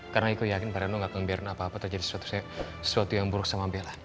karena aku yakin pak reno gak akan biarkan apa apa terjadi sesuatu yang buruk sama bella